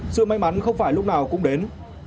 sự may mắn không phải lúc nào cũng đến